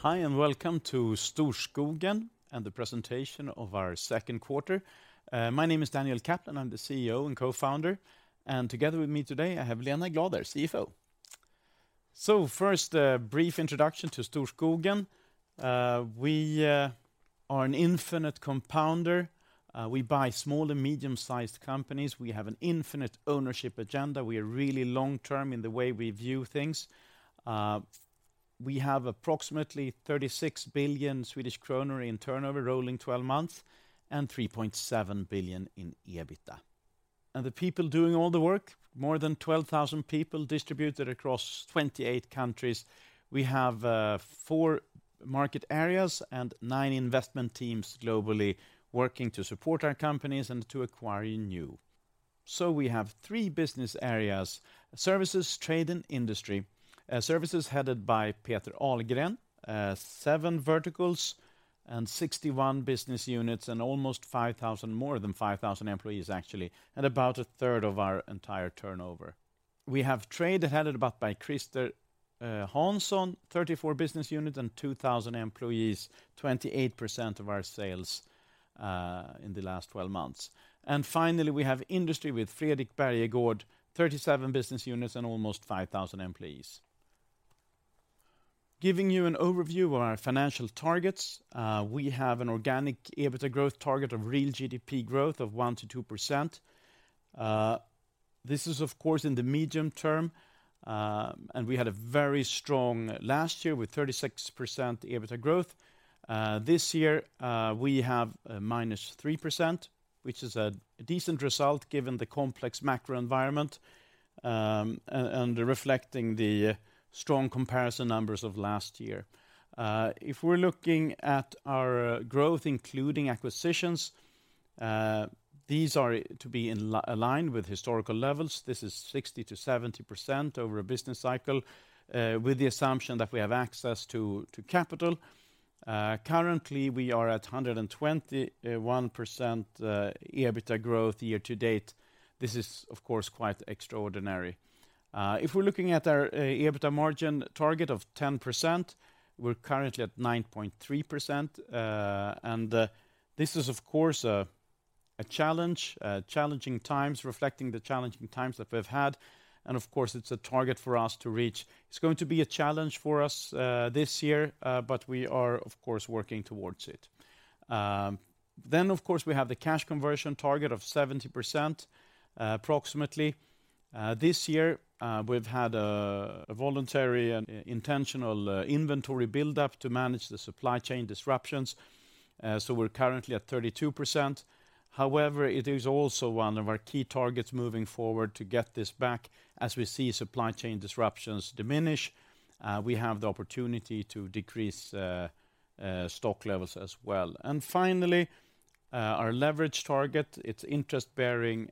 Hi, and welcome to Storskogen and the presentation of our Q2. My name is Daniel Kaplan, I'm the CEO and co-founder, and together with me today I have Lena Glader, CFO. First, a brief introduction to Storskogen. We are an infinite compounder. We buy small and medium-sized companies. We have an infinite ownership agenda. We are really long-term in the way we view things. We have approximately 36 billion Swedish kronor in turnover, rolling twelve months, and 3.7 billion in EBITDA. The people doing all the work, more than 12,000 people distributed across 28 countries. We have four market areas and nine investment teams globally working to support our companies and to acquire new. We have three business areas, Services, Trade and Industry. Services headed by Peter Ahlgren, seven verticals and 61 business units and more than 5,000 employees actually, and about a third of our entire turnover. We have Trade headed by Christer Hansson, 34 business units and 2,000 employees, 28% of our sales in the last twelve months. Finally, we have Industry with Fredrik Bergegård, 37 business units and almost 5,000 employees. Giving you an overview of our financial targets, we have an organic EBITDA growth target of real GDP growth of 1%-2%. This is of course in the medium term, and we had a very strong last year with 36% EBITDA growth. This year, we have -3%, which is a decent result given the complex macro environment, and reflecting the strong comparison numbers of last year. If we're looking at our growth including acquisitions, these are to be aligned with historical levels. This is 60%-70% over a business cycle, with the assumption that we have access to capital. Currently, we are at 121% EBITDA growth year to date. This is, of course, quite extraordinary. If we're looking at our EBITDA margin target of 10%, we're currently at 9.3%. This is, of course, a challenge, challenging times, reflecting the challenging times that we've had. Of course, it's a target for us to reach. It's going to be a challenge for us this year, but we are, of course, working towards it. Of course, we have the cash conversion target of 70%, approximately. This year, we've had a voluntary and intentional inventory build-up to manage the supply chain disruptions. We're currently at 32%. However, it is also one of our key targets moving forward to get this back. As we see supply chain disruptions diminish, we have the opportunity to decrease stock levels as well. Finally, our leverage target, it's interest-bearing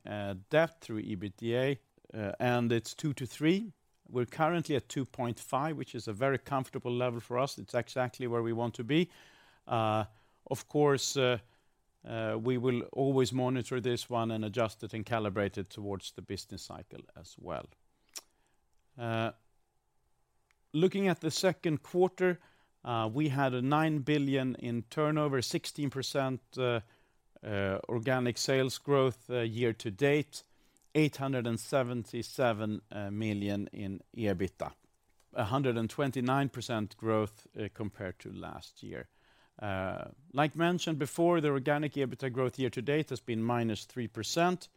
debt to EBITDA, and it's two to three. We're currently at 2.5, which is a very comfortable level for us. It's exactly where we want to be. Of course, we will always monitor this one and adjust it and calibrate it towards the business cycle as well. Looking at the Q2, we had 9 billion in turnover, 16% organic sales growth year to date, 877 million in EBITDA, 129% growth compared to last year. Like mentioned before, the organic EBITDA growth year to date has been -3%,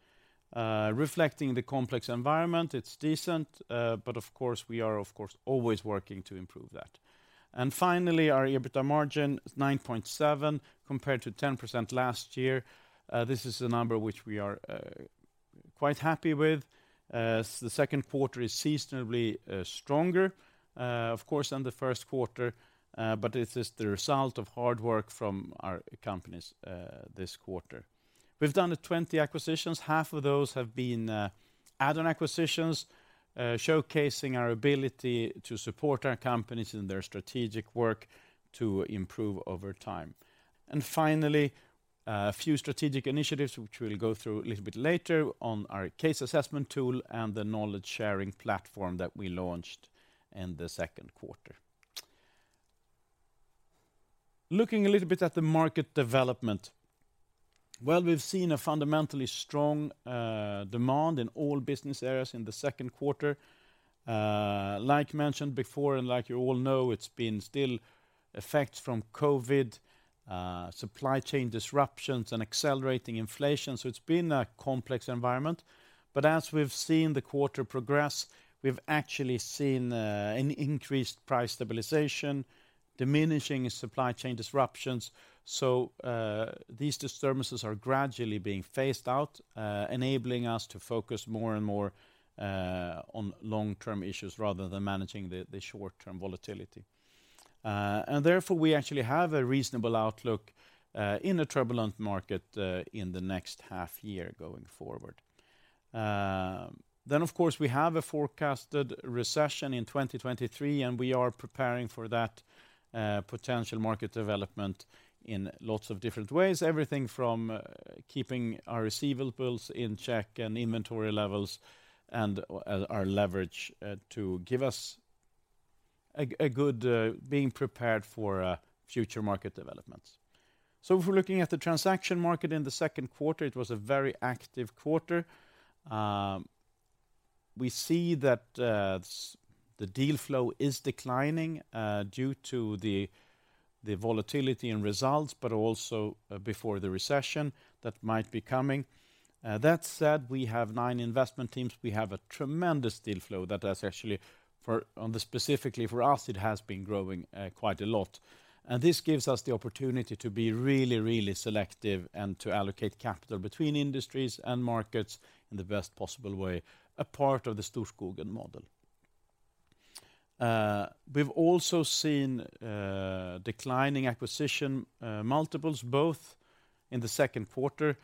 reflecting the complex environment. It's decent, but of course, we are, of course, always working to improve that. Finally, our EBITDA margin, 9.7%, compared to 10% last year. This is a number which we are quite happy with. The Q2 is seasonally stronger, of course, than the Q1, but it is the result of hard work from our companies this quarter. We've done 20 acquisitions. Half of those have been add-on acquisitions, showcasing our ability to support our companies in their strategic work to improve over time. Finally, a few strategic initiatives which we'll go through a little bit later on our Case Assessment Tool and the knowledge-sharing platform that we launched in the Q2. Looking a little bit at the market development. We've seen a fundamentally strong demand in all business areas in the Q2. Like mentioned before, and like you all know, it's been still effects from COVID, supply chain disruptions and accelerating inflation. It's been a complex environment. As we've seen the quarter progress, we've actually seen an increased price stabilization, diminishing supply chain disruptions. These disturbances are gradually being phased out, enabling us to focus more and more on long-term issues rather than managing the short-term volatility. Therefore, we actually have a reasonable outlook in a turbulent market in the next half year going forward. Of course, we have a forecasted recession in 2023, and we are preparing for that potential market development in lots of different ways. Everything from keeping our receivables in check and inventory levels and our leverage to give us a good being prepared for future market developments. If we're looking at the transaction market in the Q2, it was a very active quarter. We see that the deal flow is declining due to the volatility and results, but also before the recession that might be coming. That said, we have nine investment teams. We have a tremendous deal flow that has actually, specifically for us, been growing quite a lot. This gives us the opportunity to be really, really selective and to allocate capital between industries and markets in the best possible way, a part of the Storskogen model. We've also seen declining acquisition multiples both in the Q2,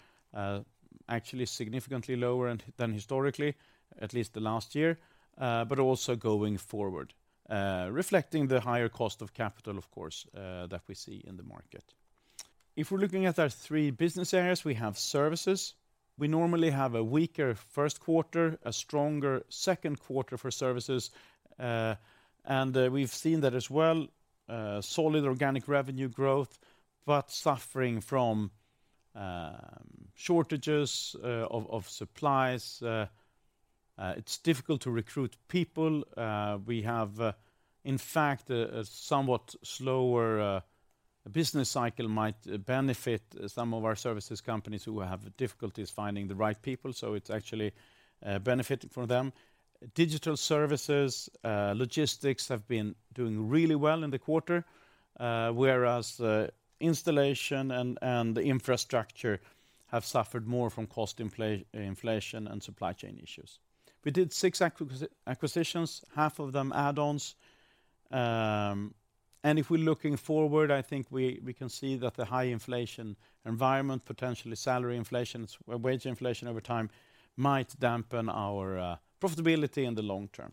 actually significantly lower and than historically, at least the last year, but also going forward, reflecting the higher cost of capital, of course, that we see in the market. If we're looking at our three business areas, we have services. We normally have a weaker Q1, a stronger Q2 for services. We've seen that as well, a solid organic revenue growth, but suffering from shortages of supplies. It's difficult to recruit people. We have, in fact, a somewhat slower business cycle might benefit some of our services companies who have difficulties finding the right people, so it's actually benefiting from them. Digital services, logistics have been doing really well in the quarter, whereas the installation and infrastructure have suffered more from cost inflation and supply chain issues. We did six acquisitions, half of them add-ons, and if we're looking forward, I think we can see that the high inflation environment, potentially salary inflations or wage inflation over time might dampen our profitability in the long term.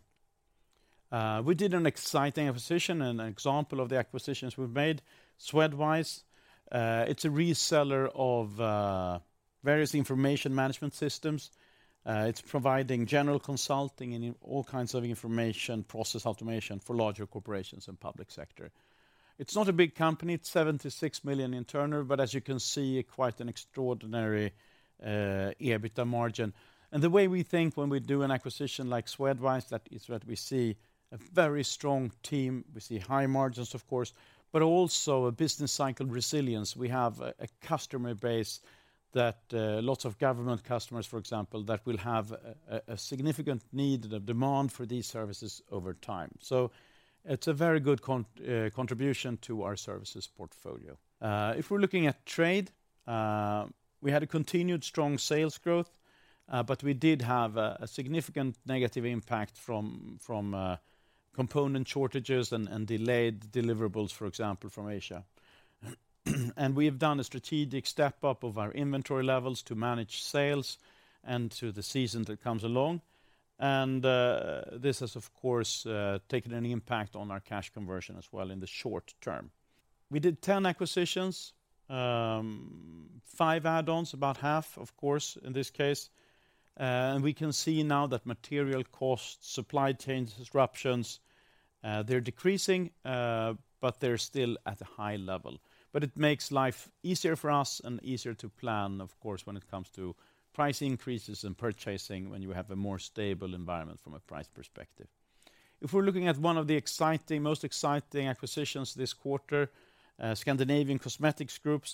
We did an exciting acquisition, an example of the acquisitions we've made, Swedwise. It's a reseller of various information management systems. It's providing general consulting and all kinds of information process automation for larger corporations and public sector. It's not a big company. It's 76 million in turnover, but as you can see, quite an extraordinary EBITDA margin. The way we think when we do an acquisition like Swedwise, that is what we see a very strong team. We see high margins, of course, but also a business cycle resilience. We have a customer base that lots of government customers, for example, that will have a significant need, the demand for these services over time. It's a very good contribution to our services portfolio. If we're looking at trade, we had a continued strong sales growth, but we did have a significant negative impact from component shortages and delayed deliverables, for example, from Asia. We have done a strategic step-up of our inventory levels to manage sales and to the season that comes along. This has, of course, taken an impact on our cash conversion as well in the short term. We did 10 acquisitions, five add-ons, about half, of course, in this case. We can see now that material costs, supply chain disruptions, they're decreasing, but they're still at a high level. It makes life easier for us and easier to plan, of course, when it comes to price increases and purchasing when you have a more stable environment from a price perspective. If we're looking at one of the exciting, most exciting acquisitions this quarter, Scandinavian Cosmetics Group,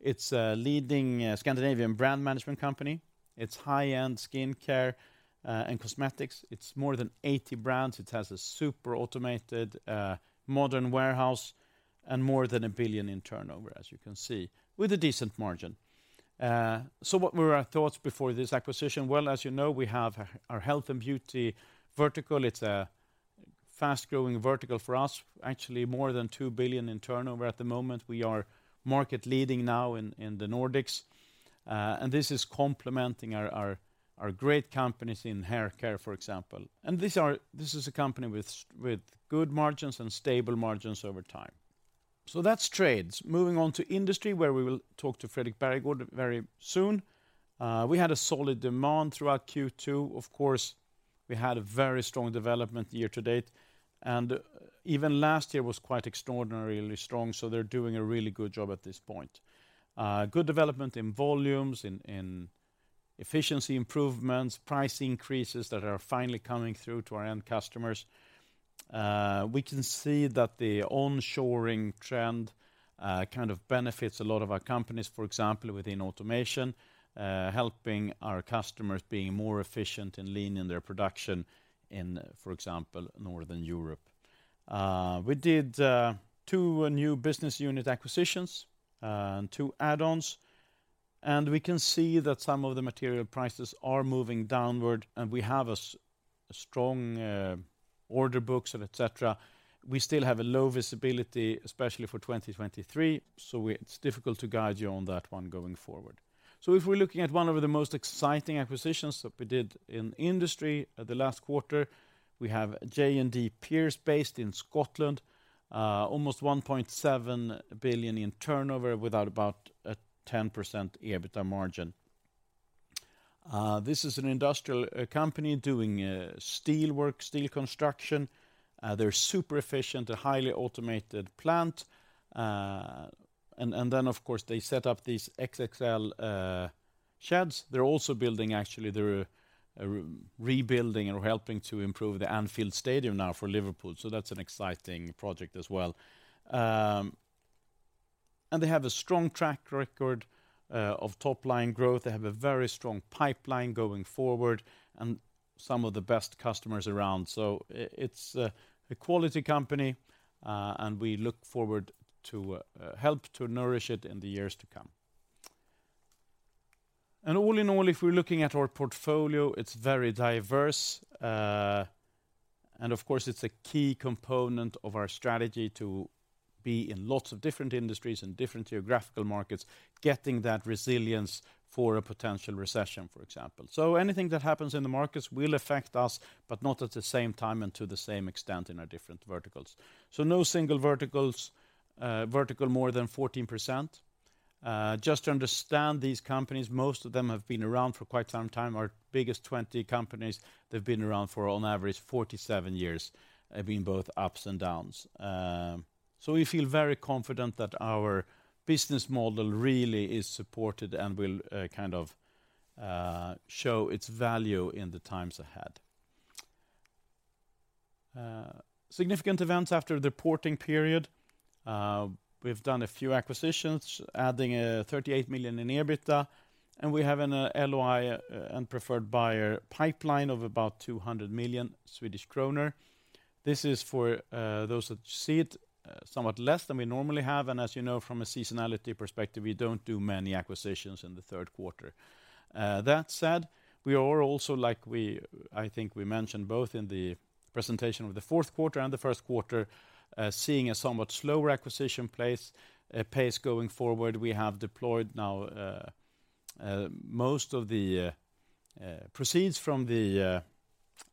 it's a leading Scandinavian brand management company. It's high-end skincare and cosmetics. It's more than 80 brands. It has a super automated modern warehouse and more than 1 billion in turnover, as you can see, with a decent margin. What were our thoughts before this acquisition? Well, as you know, we have our Health and Beauty vertical. It's a fast-growing vertical for us, actually more than 2 billion in turnover at the moment. We are market leading now in the Nordics, and this is complementing our great companies in haircare, for example. This is a company with good margins and stable margins over time. That's trades. Moving on to industry, where we will talk to Fredrik Bergegård very soon. We had a solid demand throughout Q2. Of course, we had a very strong development year to date. Even last year was quite extraordinarily strong, so they're doing a really good job at this point. Good development in volumes, in efficiency improvements, price increases that are finally coming through to our end customers. We can see that the onshoring trend kind of benefits a lot of our companies, for example, within automation, helping our customers being more efficient and lean in their production in, for example, Northern Europe. We did two new business unit acquisitions and two add-ons. We can see that some of the material prices are moving downward, and we have a strong order books and et cetera. We still have a low visibility, especially for 2023, it's difficult to guide you on that one going forward. If we're looking at one of the most exciting acquisitions that we did in industry the last quarter, we have J&D Pierce based in Scotland, almost 1.7 billion in turnover with about a 10% EBITDA margin. This is an industrial company doing steelwork, steel construction. They're super efficient, a highly automated plant. Then of course, they set up these XXL sheds. They're also building actually rebuilding or helping to improve the Anfield Stadium now for Liverpool, so that's an exciting project as well. And they have a strong track record of top line growth. They have a very strong pipeline going forward and some of the best customers around. It's a quality company, and we look forward to help to nourish it in the years to come. All in all, if we're looking at our portfolio, it's very diverse. Of course it's a key component of our strategy to be in lots of different industries and different geographical markets, getting that resilience for a potential recession, for example. Anything that happens in the markets will affect us, but not at the same time and to the same extent in our different verticals. No single vertical more than 14%. Just to understand these companies, most of them have been around for quite some time. Our biggest 20 companies, they've been around for on average 47 years, been both ups and downs. We feel very confident that our business model really is supported and will, kind of, show its value in the times ahead. Significant events after the reporting period, we've done a few acquisitions adding 38 million in EBITDA, and we have an LOI and preferred buyer pipeline of about 200 million Swedish kronor. This is, for those that see it, somewhat less than we normally have, and as you know, from a seasonality perspective, we don't do many acquisitions in the Q3. That said, we are also, like, I think we mentioned both in the presentation of the Q4 and the Q1, seeing a somewhat slower acquisition pace going forward. We have deployed now, most of the proceeds from the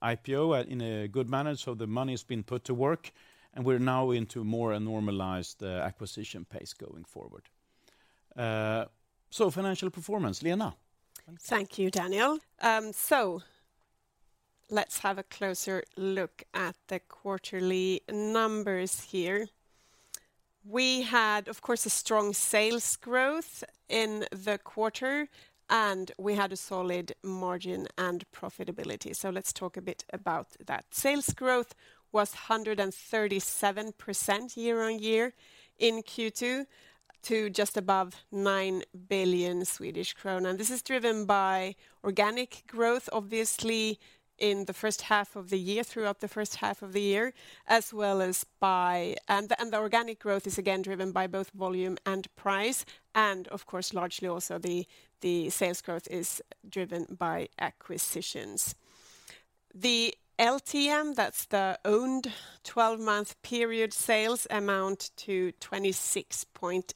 IPO in a good manner. The money has been put to work and we're now into more a normalized acquisition pace going forward. Financial performance, Lena. Thank you, Daniel. Let's have a closer look at the quarterly numbers here. We had, of course, a strong sales growth in the quarter, and we had a solid margin and profitability. Let's talk a bit about that. Sales growth was 137% year-over-year in Q2 to just above 9 billion Swedish kronor. This is driven by organic growth, obviously in the first half of the year, throughout the first half of the year, as well as by acquisitions. The organic growth is again driven by both volume and price, and of course, largely also the sales growth is driven by acquisitions. The LTM, that's the owned twelve-month period sales amount to 26.8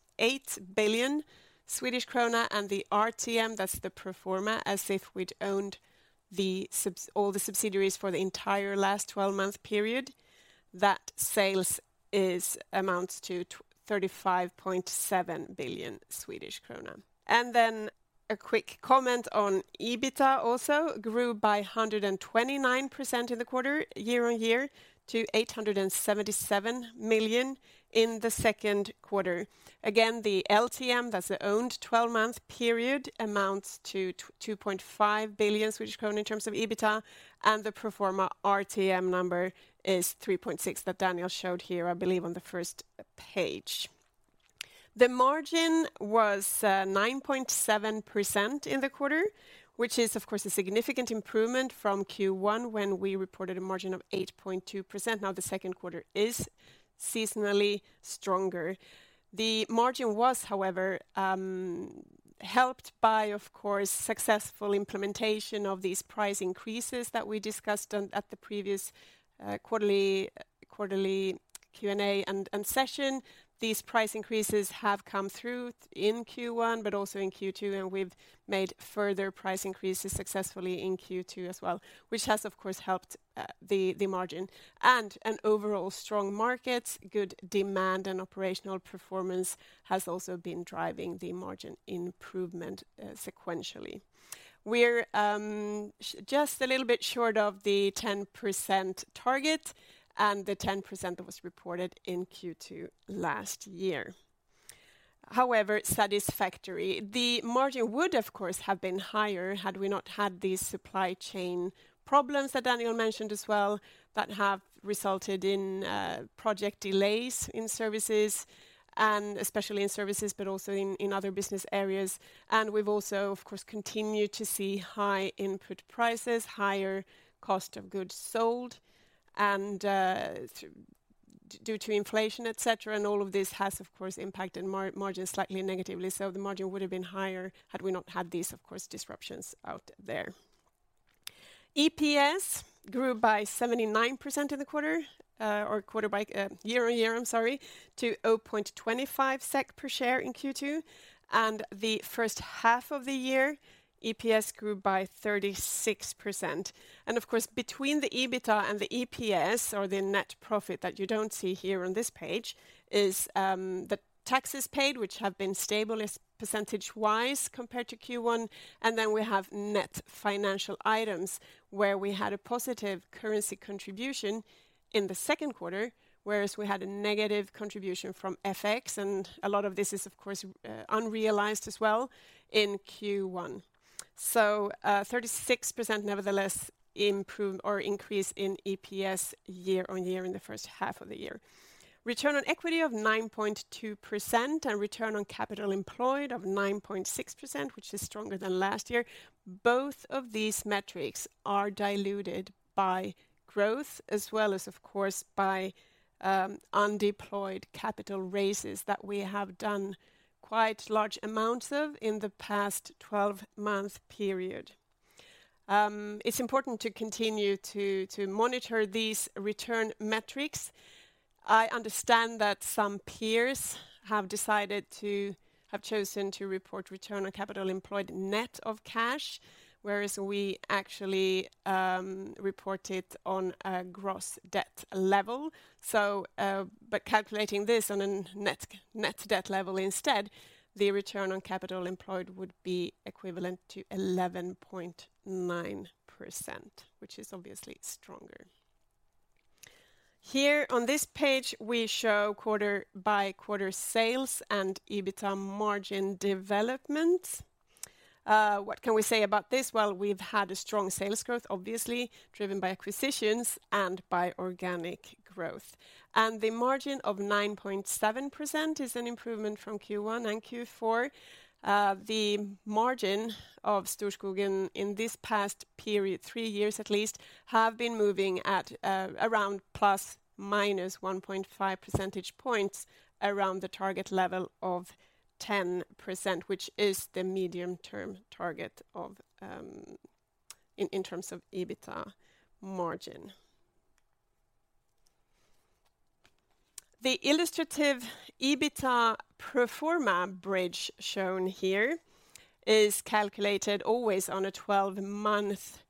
billion Swedish krona, and the RTM, that's the pro forma, as if we'd owned all the subsidiaries for the entire last twelve-month period, that sales amounts to 35.7 billion Swedish krona. Then a quick comment on EBITDA also grew by 129% in the quarter, year-on-year to 877 million in the Q2. Again, the LTM, that's the owned twelve-month period amounts to 2.5 billion Swedish krona in terms of EBITDA, and the pro forma RTM number is 3.6 that Daniel showed here, I believe on the first page. The margin was 9.7% in the quarter, which is of course a significant improvement from Q1 when we reported a margin of 8.2%. Now, the Q2 is seasonally stronger. The margin was, however, helped by, of course, successful implementation of these price increases that we discussed at the previous quarterly Q&A and session. These price increases have come through in Q1, but also in Q2, and we've made further price increases successfully in Q2 as well, which has of course helped the margin. An overall strong market, good demand and operational performance has also been driving the margin improvement sequentially. We're just a little bit short of the 10% target and the 10% that was reported in Q2 last year. However, satisfactory. The margin would of course have been higher had we not had these supply chain problems that Daniel mentioned as well, that have resulted in project delays in services and especially in services, but also in other business areas. We've also, of course, continued to see high input prices, higher cost of goods sold and due to inflation, et cetera, and all of this has of course impacted margins slightly negatively. The margin would have been higher had we not had these, of course, disruptions out there. EPS grew by 79% in the quarter year-on-year to 0.25 SEK per share in Q2, and the first half of the year, EPS grew by 36%. Of course, between the EBITDA and the EPS or the net profit that you don't see here on this page is the taxes paid, which have been stable percentage-wise compared to Q1. Then we have net financial items, where we had a positive currency contribution in the Q2, whereas we had a negative contribution from FX, and a lot of this is of course unrealized as well in Q1. 36% nevertheless improve or increase in EPS year-on-year in the first half of the year. Return on equity of 9.2% and return on capital employed of 9.6%, which is stronger than last year. Both of these metrics are diluted by growth as well as, of course, by undeployed capital raises that we have done quite large amounts of in the past twelve-month period. It's important to continue to monitor these return metrics. I understand that some peers have chosen to report return on capital employed net of cash, whereas we actually report it on a gross debt level. But calculating this on a net debt level instead, the return on capital employed would be equivalent to 11.9%, which is obviously stronger. Here on this page, we show quarter-by-quarter sales and EBITDA margin development. What can we say about this? Well, we've had a strong sales growth, obviously driven by acquisitions and by organic growth. The margin of 9.7% is an improvement from Q1 and Q4. The margin of Storskogen in this past period, three years at least, have been moving at around ±1.5 percentage points around the target level of 10%, which is the medium-term target in terms of EBITDA margin. The illustrative EBITDA pro forma bridge shown here is calculated always on a 12-month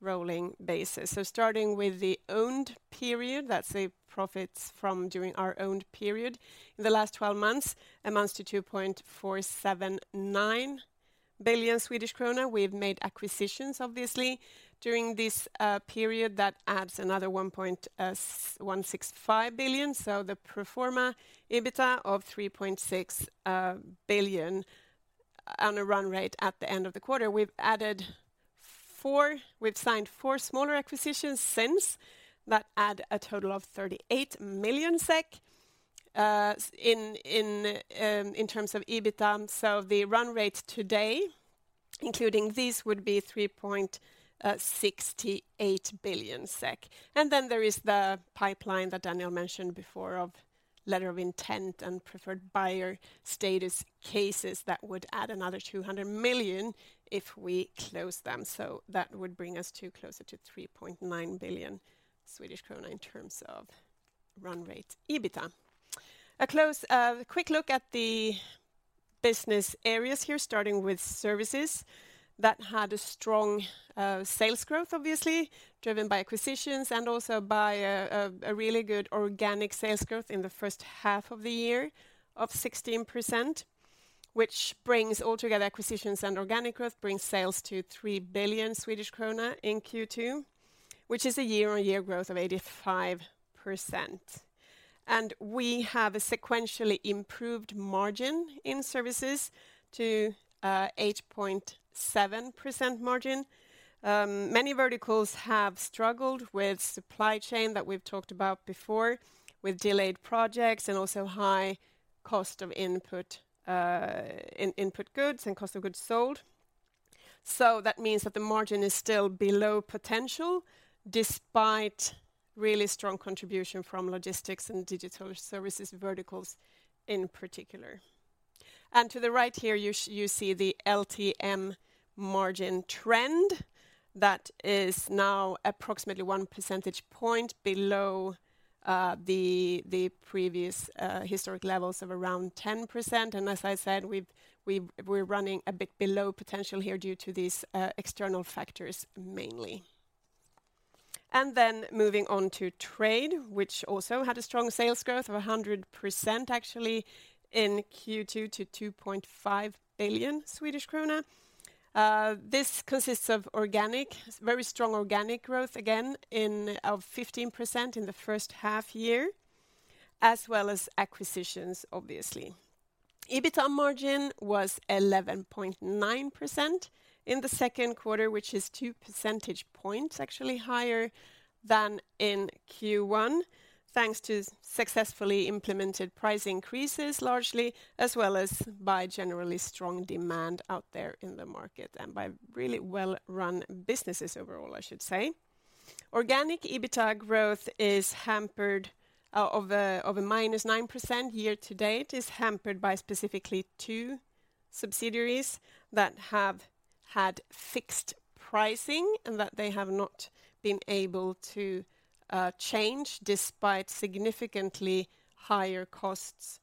rolling basis. Starting with the owned period, that's the profits from during our owned period. The last 12 months amounts to 2.479 billion Swedish krona. We've made acquisitions, obviously, during this period that adds another 1.165 billion. The pro forma EBITDA of 3.6 billion on a run rate at the end of the quarter. We've signed four smaller acquisitions since that add a total of 38 million SEK in terms of EBITDA. The run rate today, including these, would be 3.68 billion SEK. Then there is the pipeline that Daniel mentioned before of letter of intent and preferred buyer status cases that would add another 200 million if we close them. That would bring us to closer to 3.9 billion Swedish krona in terms of run rate EBITDA. A close quick look at the business areas here, starting with services that had a strong sales growth, obviously driven by acquisitions and also by a really good organic sales growth in the first half of the year of 16%, which brings altogether acquisitions and organic growth, brings sales to 3 billion Swedish krona in Q2, which is a year-on-year growth of 85%. We have a sequentially improved margin in services to 8.7% margin. Many verticals have struggled with supply chain that we've talked about before with delayed projects and also high cost of input goods and cost of goods sold. That means that the margin is still below potential despite really strong contribution from logistics and digital services verticals in particular. To the right here, you see the LTM margin trend that is now approximately 1 percentage point below the previous historic levels of around 10%. As I said, we're running a bit below potential here due to these external factors mainly. Moving on to trade, which also had a strong sales growth of 100%, actually in Q2 to 2.5 billion Swedish krona. This consists of organic, very strong organic growth, again in 15% in the first half year, as well as acquisitions, obviously. EBITDA margin was 11.9% in the Q2, which is two percentage points actually higher than in Q1, thanks to successfully implemented price increases largely as well as by generally strong demand out there in the market and by really well run businesses overall, I should say. Organic EBITA growth is hampered by a -9% year to date by specifically two subsidiaries that have had fixed pricing and that they have not been able to change despite significantly higher costs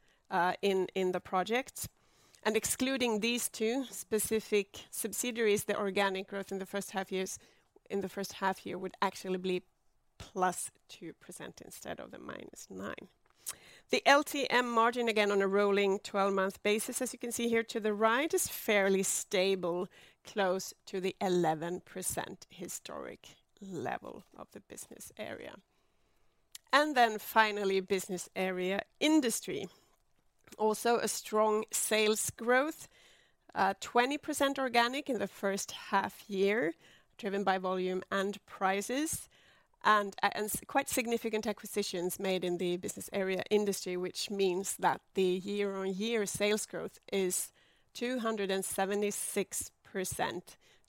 in the projects. Excluding these two specific subsidiaries, the organic growth in the first half year would actually be +2% instead of the -9%. The LTM margin, again, on a rolling twelve-month basis, as you can see here to the right, is fairly stable, close to the 11% historic level of the business area. Finally, business area industry. Also a strong sales growth, 20% organic in the first half year, driven by volume and prices, and quite significant acquisitions made in the business area industry, which means that the year-on-year sales growth is 276%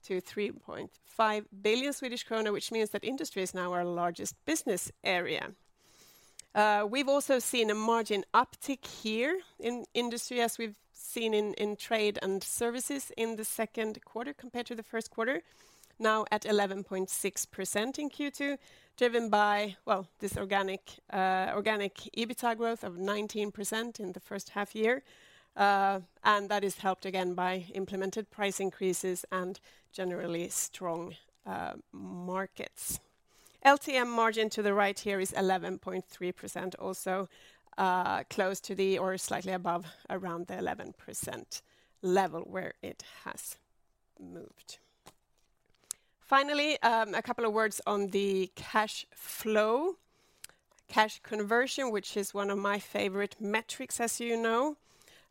to 3.5 billion Swedish kronor, which means that industry is now our largest business area. We've also seen a margin uptick here in industry, as we've seen in trade and services in the Q2 compared to the Q1. Now at 11.6% in Q2, driven by, well, this organic EBITA growth of 19% in the first half year, and that is helped again by implemented price increases and generally strong markets. LTM margin to the right here is 11.3% also, close to the or slightly above around the 11% level where it has moved. Finally, a couple of words on the cash flow. Cash conversion, which is one of my favorite metrics, as you know.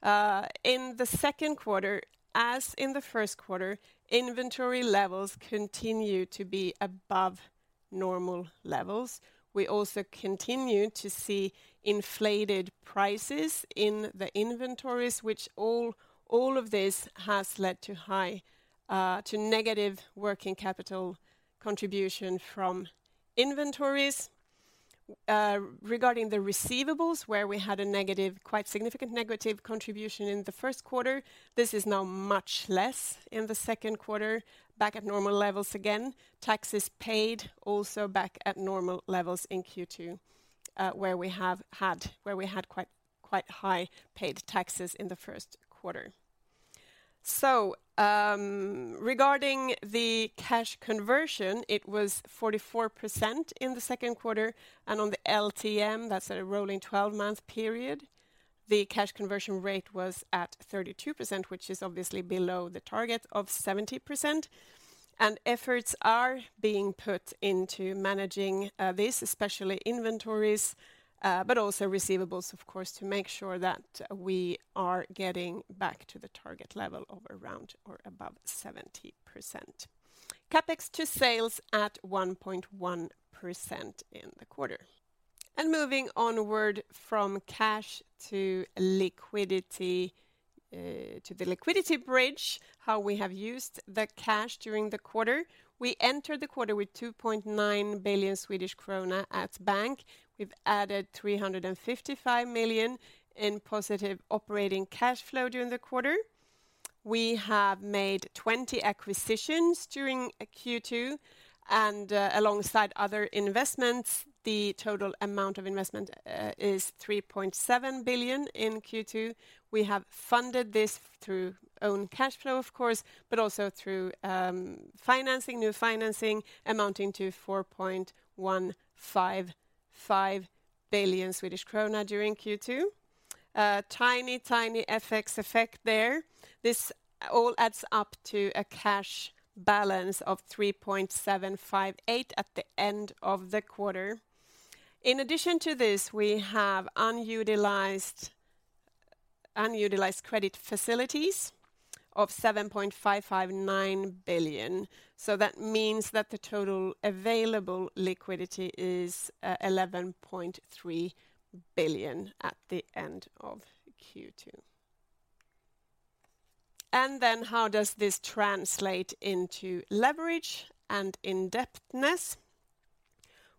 In the Q2, as in the Q1, inventory levels continue to be above normal levels. We also continue to see inflated prices in the inventories, which all of this has led to negative working capital contribution from inventories. Regarding the receivables, where we had a negative, quite significant negative contribution in the Q1, this is now much less in the Q2, back at normal levels again. Taxes paid also back at normal levels in Q2, where we had quite high paid taxes in the Q1. Regarding the cash conversion, it was 44% in the Q2, and on the LTM, that's a rolling twelve-month period, the cash conversion rate was at 32%, which is obviously below the target of 70%. Efforts are being put into managing this, especially inventories, but also receivables, of course, to make sure that we are getting back to the target level of around or above 70%. CapEx to sales at 1.1% in the quarter. Moving onward from cash to liquidity, to the liquidity bridge, how we have used the cash during the quarter. We entered the quarter with 2.9 billion Swedish krona at bank. We've added 355 million in positive operating cash flow during the quarter. We have made 20 acquisitions during Q2, and alongside other investments, the total amount of investment is 3.7 billion in Q2. We have funded this through own cash flow, of course, but also through financing, new financing amounting to 4.155 billion Swedish krona during Q2. A tiny FX effect there. This all adds up to a cash balance of 3.758 billion at the end of the quarter. In addition to this, we have unutilized credit facilities of 7.559 billion. That means that the total available liquidity is 11.3 billion at the end of Q2. How does this translate into leverage and indebtedness?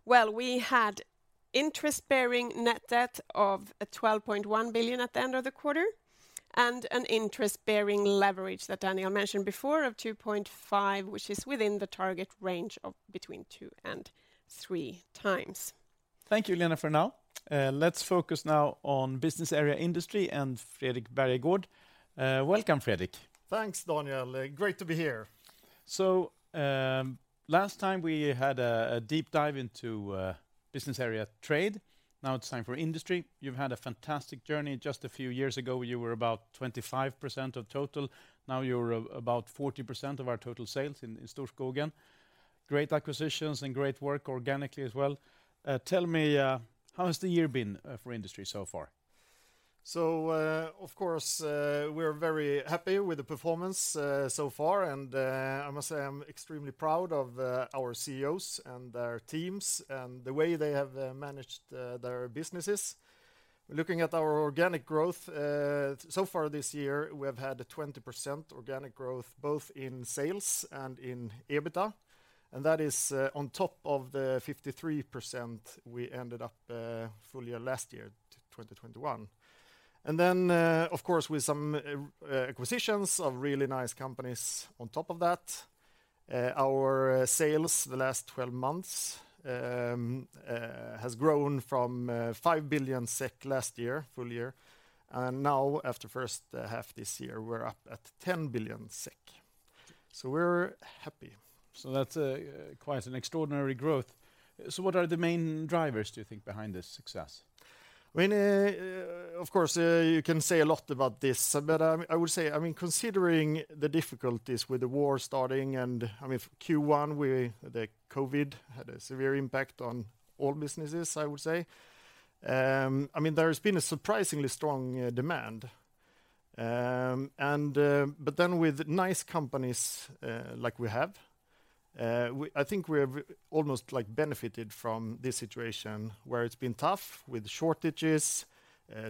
We had interest-bearing net debt of 12.1 billion at the end of the quarter, and an interest-bearing leverage that Daniel mentioned before of 2.5, which is within the target range of between two and three times. Thank you, Lena, for now. Let's focus now on Business Area Industry and Fredrik Bergegård. Welcome, Fredrik. Thanks, Daniel. Great to be here. Last time we had a deep dive into business area trade. Now it's time for industry. You've had a fantastic journey. Just a few years ago, you were about 25% of total. Now you're about 40% of our total sales in Storskogen. Great acquisitions and great work organically as well. Tell me, how has the year been for industry so far? Of course, we're very happy with the performance so far. I must say I'm extremely proud of our CEOs and their teams and the way they have managed their businesses. Looking at our organic growth so far this year, we have had a 20% organic growth both in sales and in EBITDA, and that is on top of the 53% we ended up full year last year 2021. Of course, with some acquisitions of really nice companies on top of that, our sales the last twelve months has grown from 5 billion SEK last year, full year, and now after first half this year, we're up at 10 billion SEK. We're happy. That's quite an extraordinary growth. What are the main drivers, do you think, behind this success? I mean, of course, you can say a lot about this, but I would say, I mean, considering the difficulties with the war starting and, I mean, for Q1, the COVID had a severe impact on all businesses, I would say. There's been a surprisingly strong demand. With nice companies like we have, I think we have almost like benefited from this situation where it's been tough with shortages,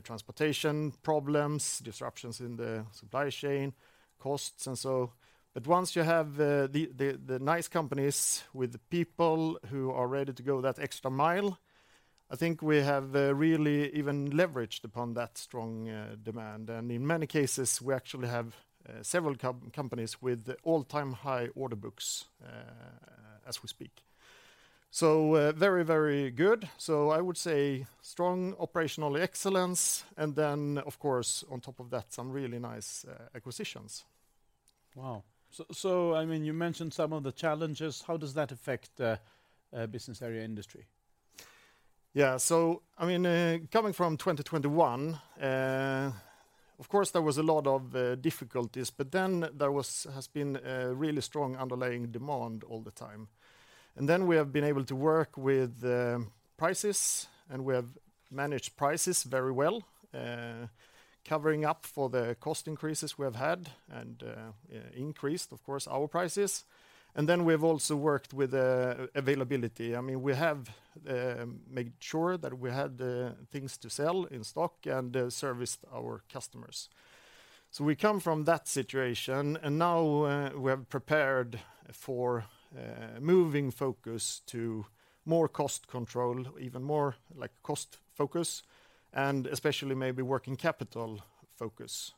transportation problems, disruptions in the supply chain, costs and so. Once you have the nice companies with people who are ready to go that extra mile, I think we have really even leveraged upon that strong demand. In many cases, we actually have several companies with all-time high order books as we speak. Very good. I would say strong operational excellence, and then of course, on top of that, some really nice acquisitions. Wow. I mean, you mentioned some of the challenges. How does that affect Business Area Industry? Yeah. I mean, coming from 2021, of course, there was a lot of difficulties, but then there has been a really strong underlying demand all the time. We have been able to work with prices, and we have managed prices very well, covering up for the cost increases we have had and increased, of course, our prices. We've also worked with availability. I mean, we have made sure that we had things to sell in stock and serviced our customers. We come from that situation, and now we have prepared for moving focus to more cost control, even more like cost focus, and especially maybe working capital focus.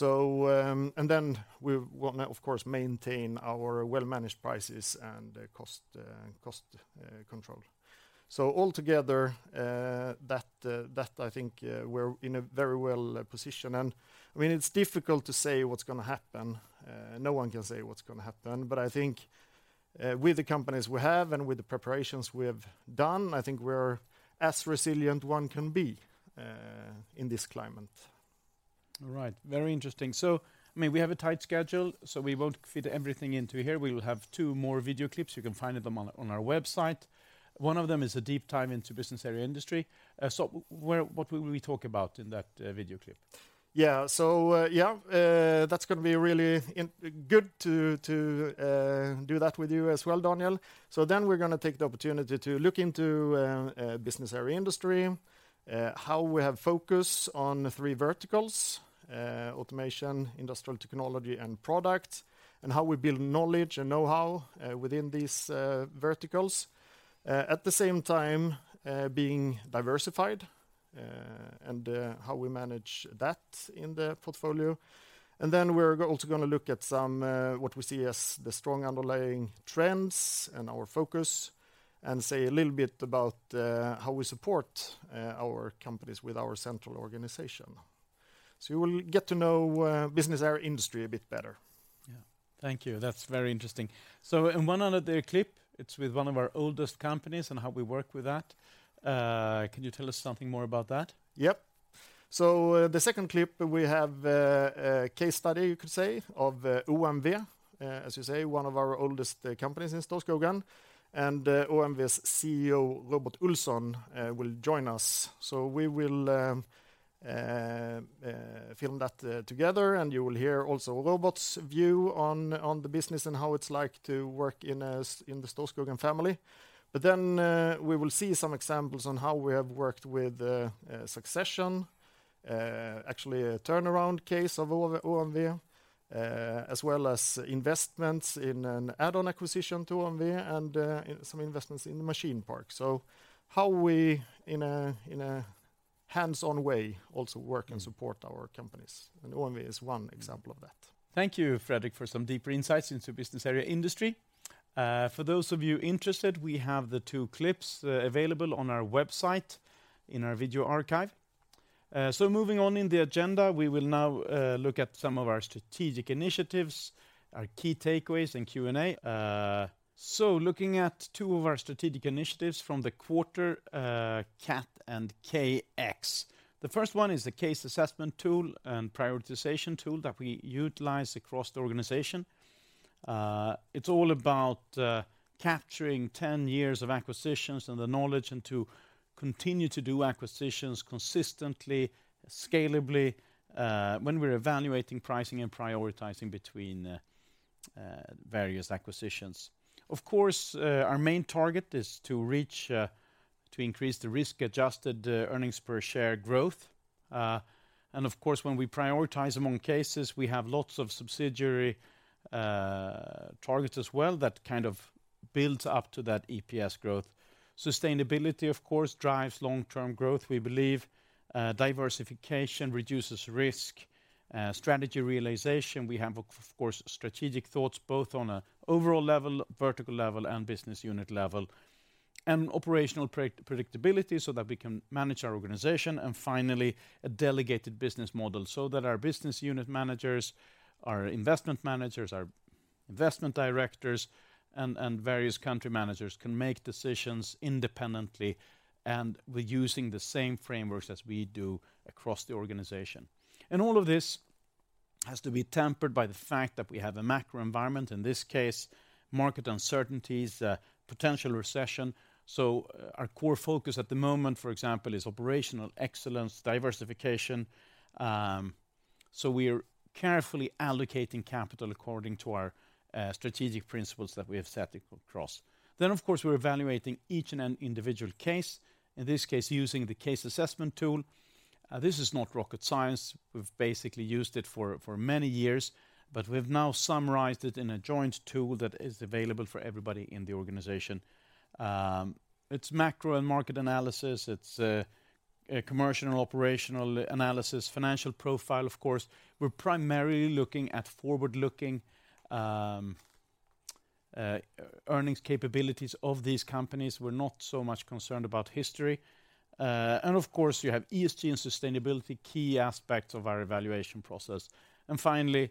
We wanna, of course, maintain our well-managed prices and cost control. Altogether, that I think we're in a very well position. I mean, it's difficult to say what's gonna happen. No one can say what's gonna happen, but I think with the companies we have and with the preparations we have done, I think we're as resilient one can be in this climate. All right. Very interesting. I mean, we have a tight schedule, so we won't fit everything into here. We will have two more video clips. You can find them on our website. One of them is a deep dive into Business Area Industry. What will we talk about in that video clip? Yeah, that's gonna be really good to do that with you as well, Daniel. We're gonna take the opportunity to look into Business Area Industry, how we have focus on the three verticals, automation, industrial technology, and product, and how we build knowledge and know-how within these verticals at the same time, being diversified, and how we manage that in the portfolio. We're also gonna look at some what we see as the strong underlying trends and our focus and say a little bit about how we support our companies with our central organization. You will get to know Business Area Industry a bit better. Yeah. Thank you. That's very interesting. In one other clip, it's with one of our oldest companies and how we work with that. Can you tell us something more about that? Yep. The second clip, we have a case study, you could say, of ÅMV, as you say, one of our oldest companies in Storskogen. ÅMV's CEO, Robert Ohlsson, will join us. We will film that together, and you will hear also Robert's view on the business and how it's like to work in the Storskogen family. We will see some examples on how we have worked with succession, actually a turnaround case of ÅMV, as well as investments in an add-on acquisition to ÅMV and some investments in the machine park. How we, in a hands-on way, also work and support our companies, and ÅMV is one example of that. Thank you, Fredrik Bergegård, for some deeper insights into Business Area Industry. For those of you interested, we have the two clips available on our website in our video archive. Moving on in the agenda, we will now look at some of our strategic initiatives, our key takeaways, and Q&A. Looking at two of our strategic initiatives from the quarter, CAT and KX. The first one is the Case Assessment Tool and prioritization tool that we utilize across the organization. It's all about capturing 10 years of acquisitions and the knowledge and to continue to do acquisitions consistently, scalably, when we're evaluating pricing and prioritizing between various acquisitions. Of course, our main target is to increase the risk-adjusted earnings per share growth. Of course, when we prioritize among cases, we have lots of subsidiary targets as well that kind of builds up to that EPS growth. Sustainability, of course, drives long-term growth. We believe diversification reduces risk. Strategy realization, we have of course, strategic thoughts both on an overall level, vertical level, and business unit level. Operational predictability so that we can manage our organization. Finally, a delegated business model so that our business unit managers, our investment managers, our investment directors, and various country managers can make decisions independently, and we're using the same frameworks as we do across the organization. All of this has to be tempered by the fact that we have a macro environment, in this case, market uncertainties, potential recession. Our core focus at the moment, for example, is operational excellence, diversification, so we're carefully allocating capital according to our strategic principles that we have set across. Of course, we're evaluating each individual case, in this case, using the Case Assessment Tool. This is not rocket science. We've basically used it for many years, but we've now summarized it in a joint tool that is available for everybody in the organization. It's macro and market analysis. It's a commercial and operational analysis, financial profile, of course. We're primarily looking at forward-looking earnings capabilities of these companies. We're not so much concerned about history. Of course, you have ESG and sustainability, key aspects of our evaluation process. Finally,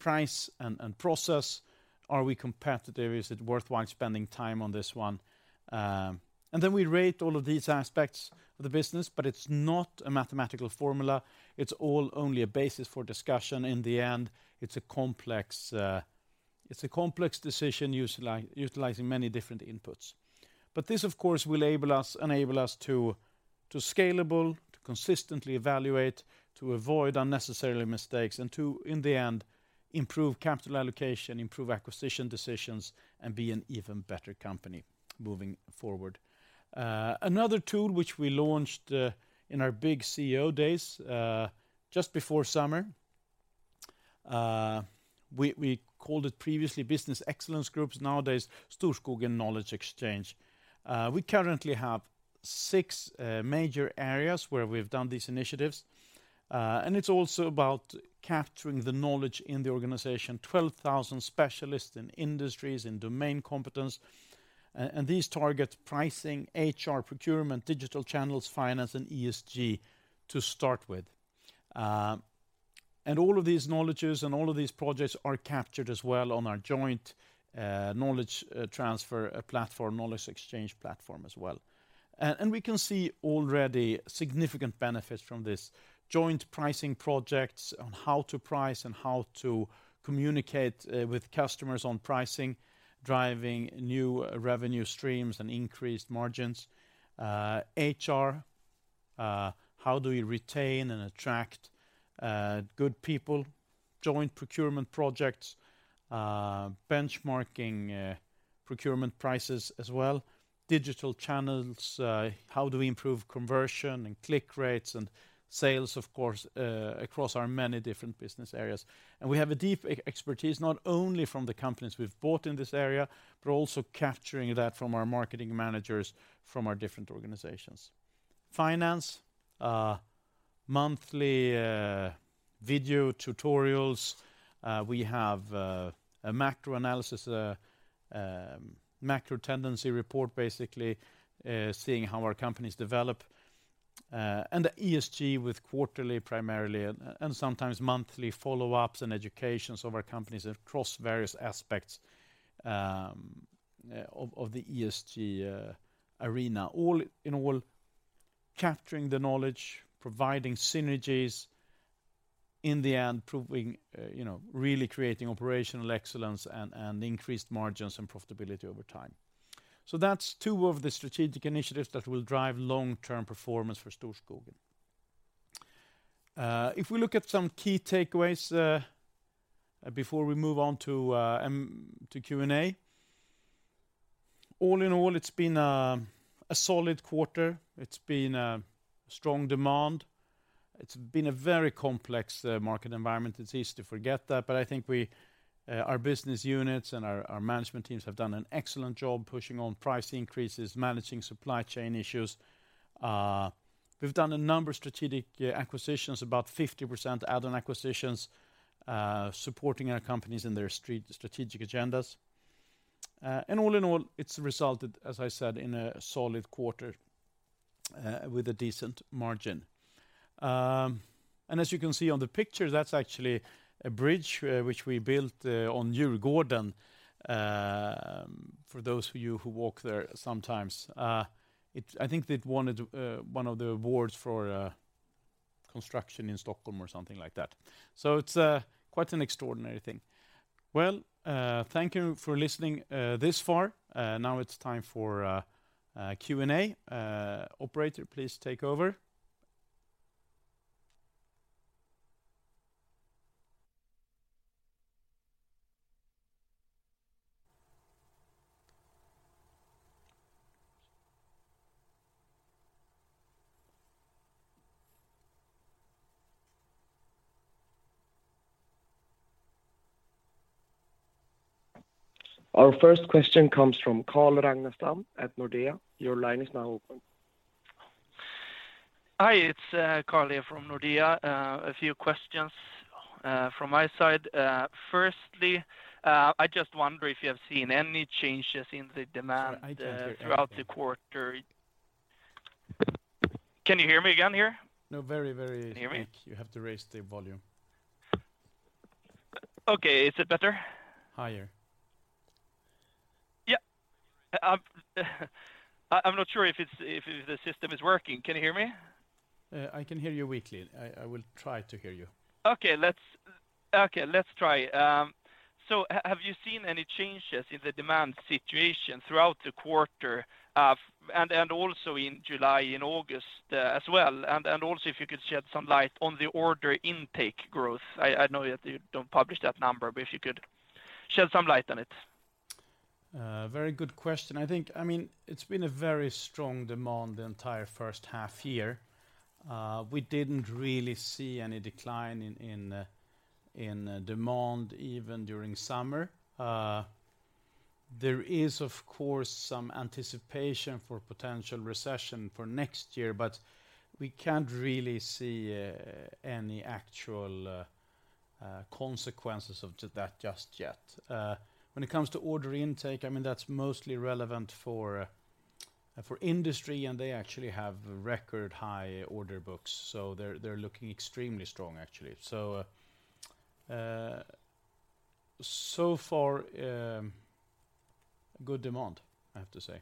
price and process. Are we competitive? Is it worthwhile spending time on this one? We rate all of these aspects of the business, but it's not a mathematical formula. It's all only a basis for discussion. In the end, it's a complex decision utilizing many different inputs. This, of course, will enable us to scale, to consistently evaluate, to avoid unnecessary mistakes, and to, in the end, improve capital allocation, improve acquisition decisions, and be an even better company moving forward. Another tool which we launched in our big CEO days just before summer, we called it previously Business Excellence Groups. Nowadays, Storskogen Knowledge eXchange. We currently have six major areas where we've done these initiatives, and it's also about capturing the knowledge in the organization, 12,000 specialists in industries, in domain competence, and these target pricing, HR, procurement, digital channels, finance, and ESG to start with. All of these knowledges and all of these projects are captured as well on our joint knowledge transfer platform, knowledge exchange platform as well. We can see already significant benefits from this joint pricing projects on how to price and how to communicate with customers on pricing, driving new revenue streams and increased margins. HR, how do we retain and attract good people? Joint procurement projects, benchmarking procurement prices as well. Digital channels, how do we improve conversion and click rates and sales, of course, across our many different business areas. We have a deep e-expertise, not only from the companies we've bought in this area, but also capturing that from our marketing managers from our different organizations. Finance, monthly, video tutorials. We have a macro analysis, macro tendency report, basically, seeing how our companies develop, and the ESG with quarterly primarily and sometimes monthly follow-ups and educations of our companies across various aspects of the ESG arena. All in all, capturing the knowledge, providing synergies, in the end, proving, you know, really creating operational excellence and increased margins and profitability over time. That's two of the strategic initiatives that will drive long-term performance for Storskogen. If we look at some key takeaways before we move on to Q&A. All in all, it's been a solid quarter. It's been a strong demand. It's been a very complex market environment. It's easy to forget that. I think our business units and our management teams have done an excellent job pushing on price increases, managing supply chain issues. We've done a number of strategic acquisitions, about 50% add-on acquisitions, supporting our companies in their strategic agendas. All in all, it's resulted, as I said, in a solid quarter with a decent margin. As you can see on the picture, that's actually a bridge which we built on Djurgården for those of you who walk there sometimes. I think they'd won one of the awards for construction in Stockholm or something like that. It's quite an extraordinary thing. Well, thank you for listening this far. Now it's time for Q&A. Operator, please take over. Our first question comes from Carl Ragnerstam at Nordea. Your line is now open. Hi, it's Carl here from Nordea. A few questions from my side. Firstly, I just wonder if you have seen any changes in the demand throughout the quarter. Can you hear me again here? No, very, very weak. Can you hear me? You have to raise the volume. Okay. Is it better? Higher. Yeah. I'm not sure if the system is working. Can you hear me? I can hear you weakly. I will try to hear you. Okay, let's try. Have you seen any changes in the demand situation throughout the quarter, and also in July and August, as well? Also if you could shed some light on the order intake growth. I know that you don't publish that number, but if you could shed some light on it. Very good question. I think, I mean, it's been a very strong demand the entire first half year. We didn't really see any decline in demand even during summer. There is of course some anticipation for potential recession for next year, but we can't really see any actual consequences of that just yet. When it comes to order intake, I mean, that's mostly relevant for industry, and they actually have record high order books, so they're looking extremely strong actually. So far, good demand, I have to say.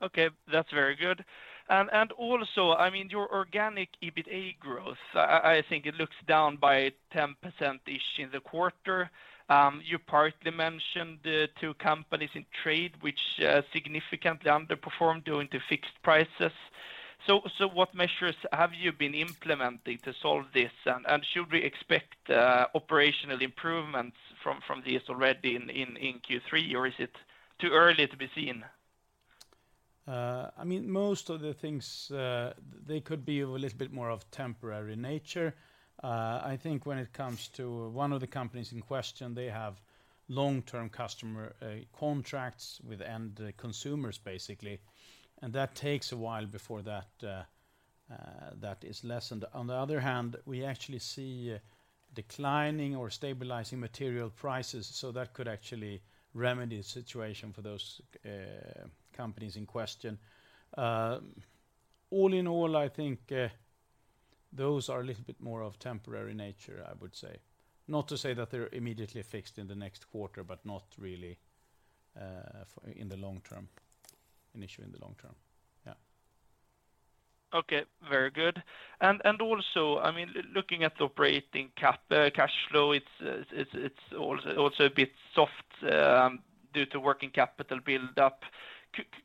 Okay, that's very good. Also, I mean, your organic EBITA growth, I think it looks down by 10%-ish in the quarter. You partly mentioned the two companies in trade which significantly underperformed during the fixed prices. What measures have you been implementing to solve this? Should we expect operational improvements from this already in Q3, or is it too early to be seen? I mean, most of the things, they could be a little bit more of temporary nature. I think when it comes to one of the companies in question, they have long-term customer contracts with end consumers basically, and that takes a while before that is lessened. On the other hand, we actually see declining or stabilizing material prices, so that could actually remedy the situation for those companies in question. All in all, I think, those are a little bit more of temporary nature, I would say. Not to say that they're immediately fixed in the next quarter, but not really in the long term, an issue in the long term. Yeah. Okay, very good. Also, I mean, looking at the operating cash flow, it's also a bit soft due to working capital build-up.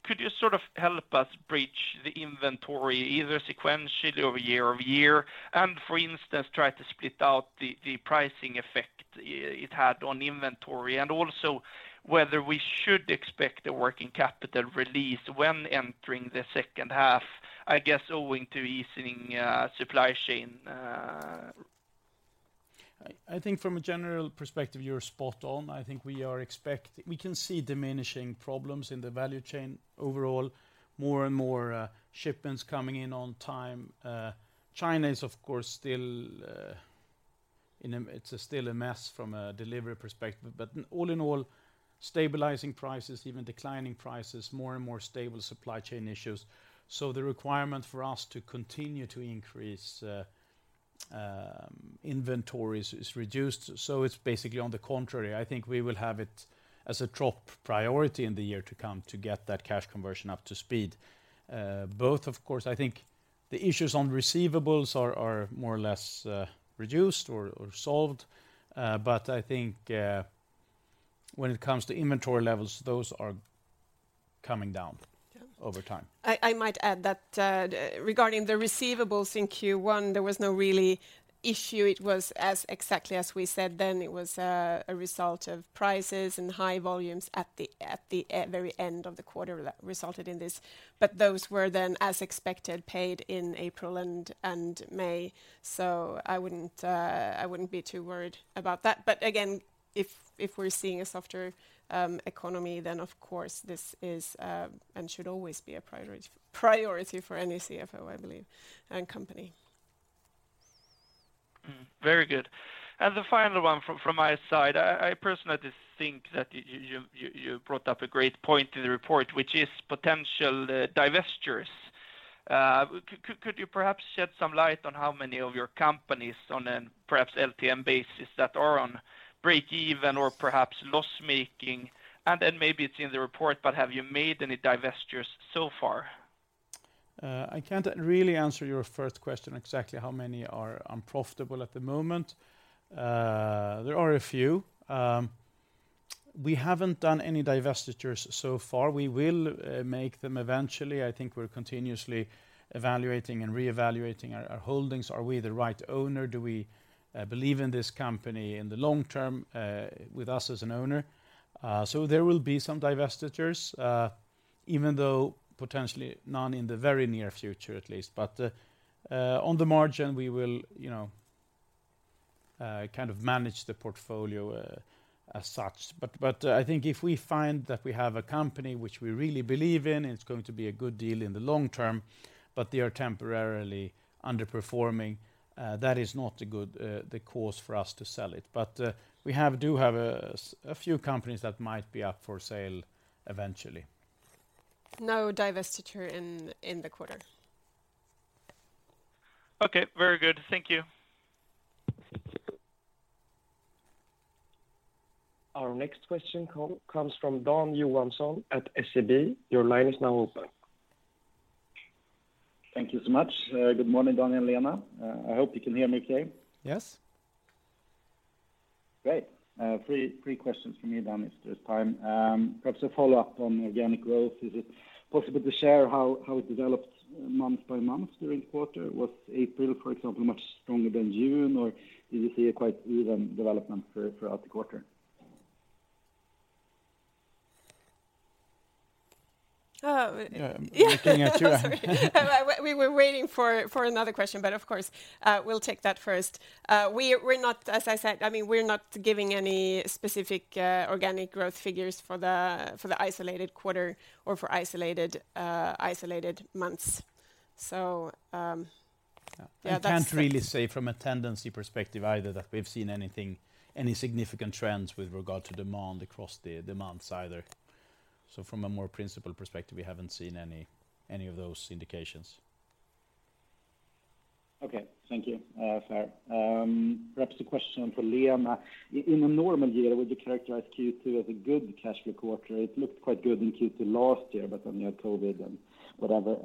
Could you sort of help us bridge the inventory either sequentially or year-over-year, and for instance, try to split out the pricing effect it had on inventory? Also whether we should expect a working capital release when entering the second half, I guess owing to easing supply chain. I think from a general perspective, you're spot on. I think we can see diminishing problems in the value chain overall, more and more shipments coming in on time. China is of course still. It's still a mess from a delivery perspective. All in all, stabilizing prices, even declining prices, more and more stable supply chain issues. The requirement for us to continue to increase inventories is reduced. It's basically on the contrary. I think we will have it as a top priority in the year to come to get that cash conversion up to speed. Both of course, I think the issues on receivables are more or less reduced or solved. I think when it comes to inventory levels, those are coming down over time. I might add that, regarding the receivables in Q1, there was no real issue. It was exactly as we said then. It was a result of prices and high volumes at the very end of the quarter that resulted in this. Those were then, as expected, paid in April and May. I wouldn't be too worried about that. Again, if we're seeing a softer economy, then of course this is and should always be a priority for any CFO, I believe, and company. Very good. The final one from my side, I personally think that you brought up a great point in the report, which is potential divestitures. Could you perhaps shed some light on how many of your companies on a perhaps LTM basis that are on breakeven or perhaps loss-making? Then maybe it's in the report, but have you made any divestitures so far? I can't really answer your first question exactly how many are unprofitable at the moment. There are a few. We haven't done any divestitures so far. We will make them eventually. I think we're continuously evaluating and reevaluating our holdings. Are we the right owner? Do we believe in this company in the long term with us as an owner? There will be some divestitures, even though potentially none in the very near future, at least. On the margin, we will, you know, kind of manage the portfolio as such. I think if we find that we have a company which we really believe in, it's going to be a good deal in the long term, but they are temporarily underperforming, that is not a good, the cause for us to sell it. We do have a few companies that might be up for sale eventually. No divestiture in the quarter. Okay. Very good. Thank you. Our next question comes from Dan Johansson at SEB. Your line is now open. Thank you so much. Good morning, Daniel and Lena. I hope you can hear me okay. Yes. Great. 3 questions from me, Daniel, if there's time. Perhaps a follow-up on organic growth. Is it possible to share how it developed month by month during quarter? Was April, for example, much stronger than June, or did you see a quite even development throughout the quarter? Uh. Yeah. I'm looking at you. Sorry. We were waiting for another question, but of course, we'll take that first. We're not, as I said, I mean, we're not giving any specific organic growth figures for the isolated quarter or for isolated months. Yeah, that's. We can't really say from a tendency perspective either that we've seen any significant trends with regard to demand across the demands either. From a more principal perspective, we haven't seen any of those indications. Okay. Thank you. Perhaps a question for Lena. In a normal year, would you characterize Q2 as a good cash flow quarter? It looked quite good in Q2 last year, but then you had COVID and whatever.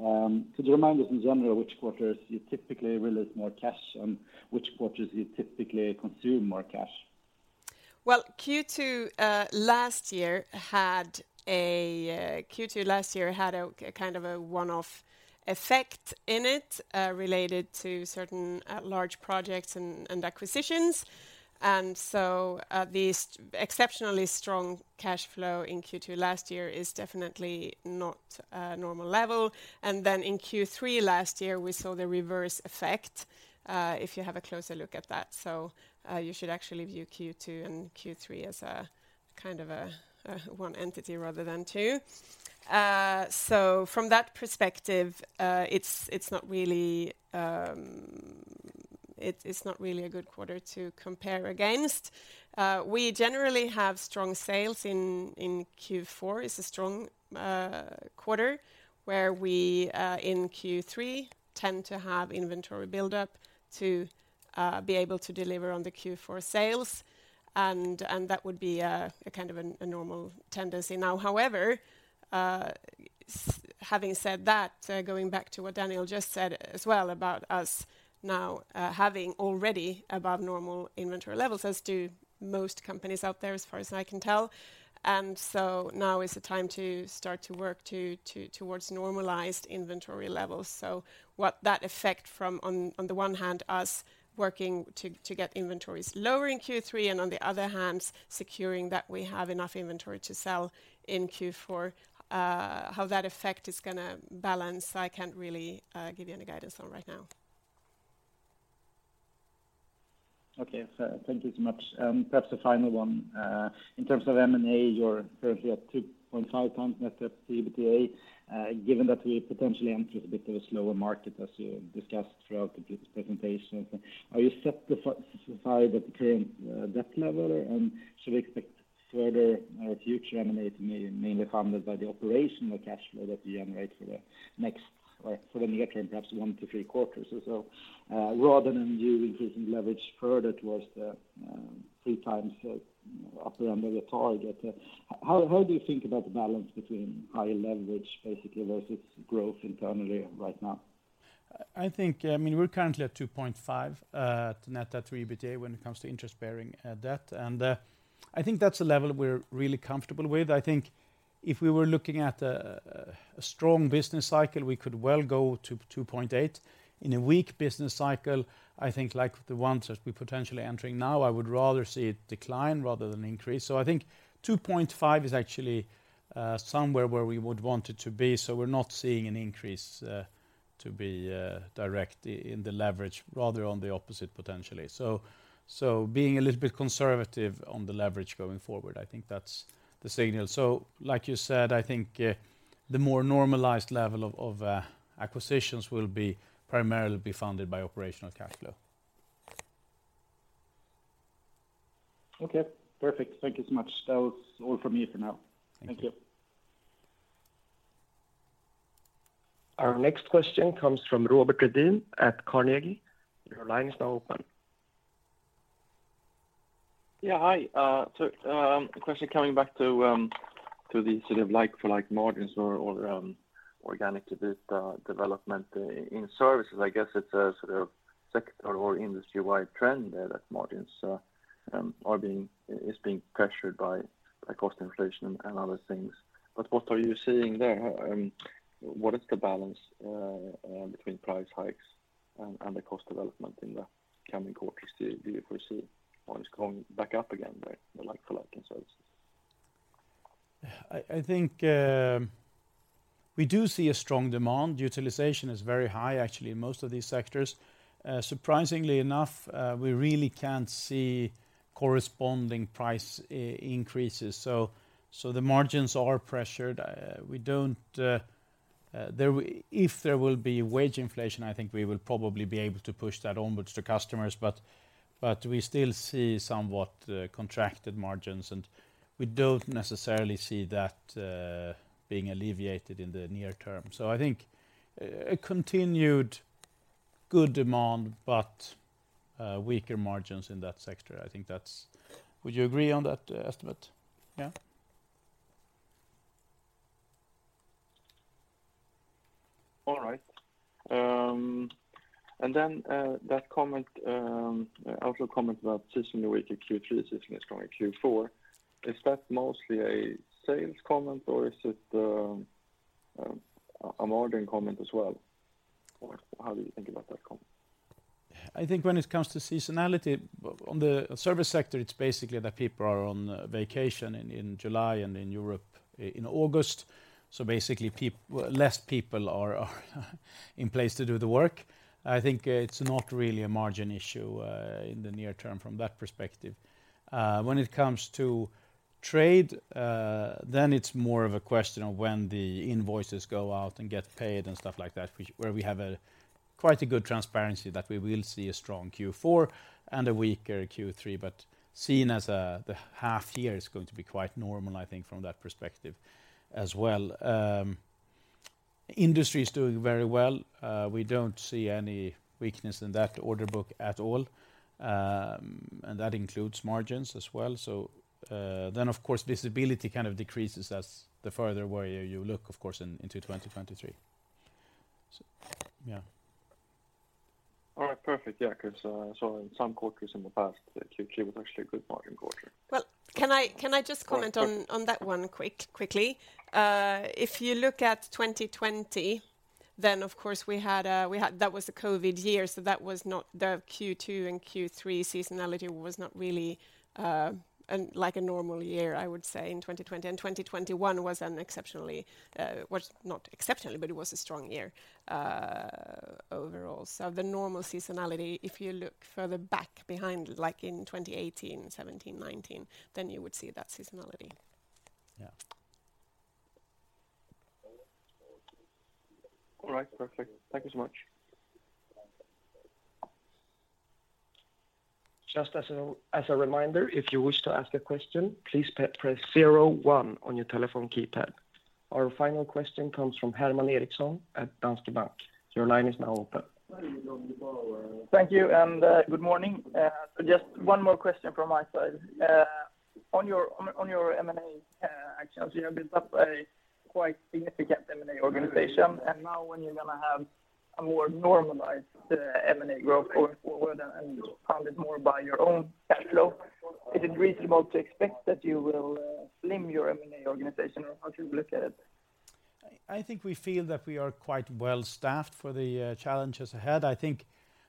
Could you remind us in general which quarters you typically release more cash and which quarters you typically consume more cash? Well, Q2 last year had a kind of a one-off effect in it, related to certain large projects and acquisitions. These exceptionally strong cash flow in Q2 last year is definitely not a normal level. In Q3 last year, we saw the reverse effect if you have a closer look at that. You should actually view Q2 and Q3 as a kind of a one entity rather than two. From that perspective, it's not really a good quarter to compare against. We generally have strong sales in Q4. It's a strong quarter where we in Q3 tend to have inventory buildup to be able to deliver on the Q4 sales, and that would be a kind of normal tendency. Now, however, having said that, going back to what Daniel just said as well about us now having already above normal inventory levels, as do most companies out there as far as I can tell. Now is the time to start to work towards normalized inventory levels. What that effect from, on the one hand, us working to get inventories lower in Q3, and on the other hand, securing that we have enough inventory to sell in Q4, how that effect is gonna balance, I can't really give you any guidance on right now. Okay. Thank you so much. Perhaps a final one. In terms of M&A, you're currently at 2.5 times net debt to EBITDA. Given that we potentially enter a bit of a slower market as you discussed throughout the presentation, are you satisfied with the current debt level? Should we expect further future M&A to be mainly funded by the operational cash flow that we generate for the next, or for the near term, perhaps 1 to 3 quarters or so, rather than you increasing leverage further towards the 3 times upper end of your target? How do you think about the balance between higher leverage basically versus growth internally right now? I think, I mean, we're currently at 2.5 net debt to EBITDA when it comes to interest-bearing debt. I think that's a level we're really comfortable with. I think if we were looking at a strong business cycle, we could well go to 2.8. In a weak business cycle, I think like the one that we're potentially entering now, I would rather see it decline rather than increase. I think 2.5 is actually somewhere where we would want it to be. We're not seeing an increase to be direct in the leverage, rather on the opposite potentially. Being a little bit conservative on the leverage going forward, I think that's the signal. Like you said, I think, the more normalized level of acquisitions will be primarily be funded by operational cash flow. Okay, perfect. Thank you so much. That was all from me for now. Thank you. Thank you. Our next question comes from Robert Redin at Carnegie. Your line is now open. Yeah, hi. A question coming back to the sort of like for like margins or organic to this development in services. I guess it's a sort of sector or industry-wide trend there that margins is being pressured by cost inflation and other things. What are you seeing there? What is the balance between price hikes and the cost development in the coming quarters? Do you foresee margins going back up again there, like for like in services? I think we do see a strong demand. Utilization is very high, actually, in most of these sectors. Surprisingly enough, we really can't see corresponding price increases. The margins are pressured. If there will be wage inflation, I think we will probably be able to push that onwards to customers, but we still see somewhat contracted margins, and we don't necessarily see that being alleviated in the near term. I think a continued good demand, but weaker margins in that sector. I think that's. Would you agree on that estimate? Yeah. All right. That comment, outlook comment about seasonally weaker Q3, seasonally stronger Q4, is that mostly a sales comment or is it, a margin comment as well? How do you think about that comment? I think when it comes to seasonality, on the service sector, it's basically that people are on vacation in July and in Europe in August. Basically less people are in place to do the work. I think it's not really a margin issue in the near term from that perspective. When it comes to trade, then it's more of a question of when the invoices go out and get paid and stuff like that, where we have quite a good transparency that we will see a strong Q4 and a weaker Q3. Seeing as the half year is going to be quite normal, I think, from that perspective as well. Industry is doing very well. We don't see any weakness in that order book at all, and that includes margins as well. Of course, visibility kind of decreases as the further out you look, of course, into 2023. Yeah. All right. Perfect. Yeah, because I saw in some quarters in the past that Q3 was actually a good margin quarter. Can I just comment on that one quickly? If you look at 2020, then of course that was a COVID year, so that was not the Q2 and Q3 seasonality was not really like a normal year, I would say, in 2020. 2021 was not exceptionally, but it was a strong year overall. The normal seasonality, if you look further back behind, like in 2018, 2017, 2019, then you would see that seasonality. Yeah. All right. Perfect. Thank you so much. Just as a reminder, if you wish to ask a question, please press zero one on your telephone keypad. Our final question comes from Herman Eriksson at Danske Bank. Your line is now open. Thank you, and, good morning. Just one more question from my side. On your M&A actions, you have built up a quite significant M&A organization. Now when you're gonna have a more normalized M&A growth going forward and funded more by your own cash flow, is it reasonable to expect that you will slim your M&A organization? How do you look at it? I think we feel that we are quite well staffed for the challenges ahead. I think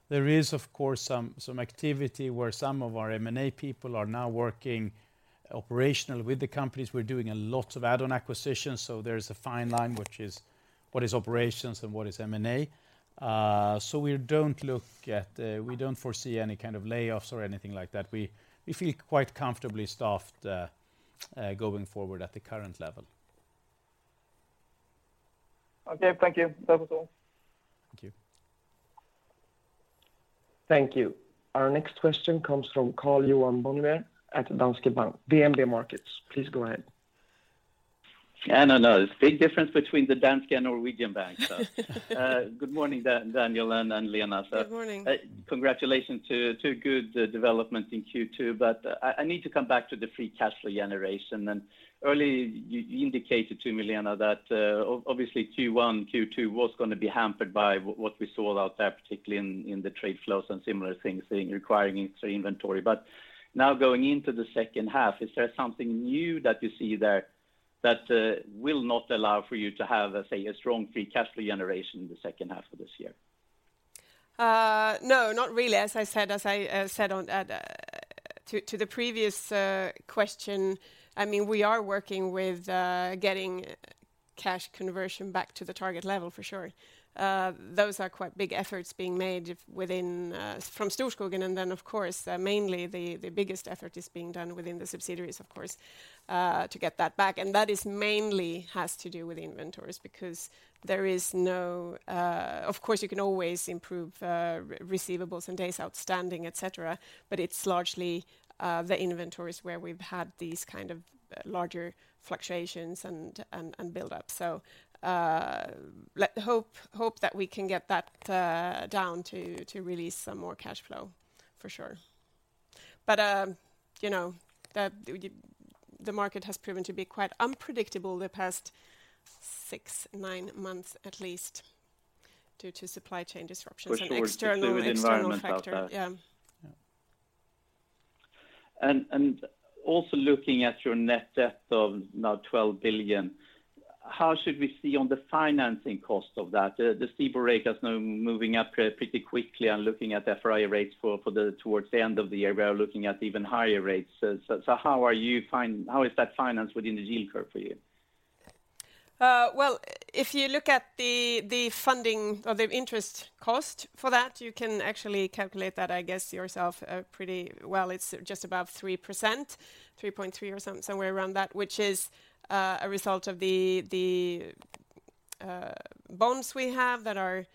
there is, of course, some activity where some of our M&A people are now working operationally with the companies. We're doing a lot of add-on acquisitions, so there's a fine line, which is what is operations and what is M&A. So we don't foresee any kind of layoffs or anything like that. We feel quite comfortably staffed going forward at the current level. Okay. Thank you. That was all. Thank you. Thank you. Our next question comes from Karl-Johan Bonnevier at DNB Markets. Please go ahead. I don't know. There's big difference between the Danske and Norwegian banks. Good morning, Daniel Kaplan and Lena Glader. Good morning. Congratulations to good development in Q2. I need to come back to the free cash flow generation. Earlier you indicated to me, Lena, that obviously Q1, Q2 was gonna be hampered by what we saw out there, particularly in the trade flows and similar things requiring extra inventory. Now going into the second half, is there something new that you see there that will not allow for you to have, let's say, a strong free cash flow generation in the second half of this year? No, not really. As I said to the previous question, I mean, we are working with getting cash conversion back to the target level for sure. Those are quite big efforts being made within Storskogen. Then of course, mainly the biggest effort is being done within the subsidiaries of course, to get that back. That is mainly has to do with inventories because there is no. Of course, you can always improve receivables and days outstanding, et cetera, but it's largely the inventories where we've had these kind of larger fluctuations and build up. Let's hope that we can get that down to release some more cash flow for sure. You know, the market has proven to be quite unpredictable the past six to nine months at least due to supply chain disruptions. Pushing towards- An external factor. The environment out there. Yeah. Yeah. Also looking at your net debt of now 12 billion, how should we see on the financing cost of that? The STIBOR rate is now moving up pretty quickly and looking at the FRA rates for the towards the end of the year, we are looking at even higher rates. How is that financed within the yield curve for you? Well, if you look at the funding or the interest cost for that, you can actually calculate that, I guess, yourself pretty well. It's just above 3%, 3.3 or somewhere around that, which is a result of the bonds we have that are